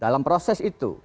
dalam proses itu